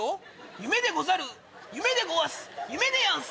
夢でござる夢でごわす夢でやんす。